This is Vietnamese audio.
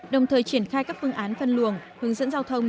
đồng thời triển khai các phương án phân luồng hướng dẫn giao thông